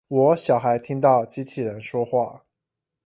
我小孩聽到機器人說話